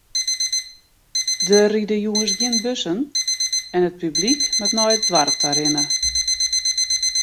Der ride jûns gjin bussen en it publyk moat nei it doarp ta rinne.